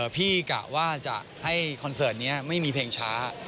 กะว่าจะให้คอนเสิร์ตนี้ไม่มีเพลงช้า